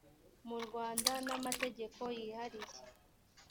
mu rwanda n amategeko yihariye